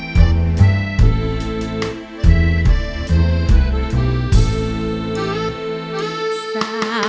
ไม่ต้องกินเงาค่ะ